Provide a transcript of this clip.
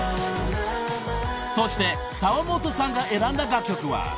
［そして澤本さんが選んだ楽曲は］